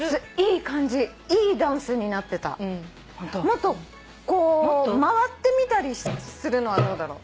もっとこう回ってみたりするのはどうだろう？